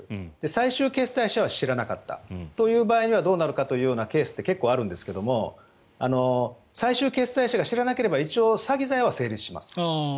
最終決裁者は知らなかったという場合はどうなるかというケースって結構あるんですが最終決裁者が知らなければ詐欺罪は成立します。